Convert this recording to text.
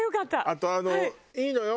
あとあのいいのよ。